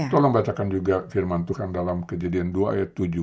tolong bacakan juga firman tuh kan dalam kejadian dua ayat tujuh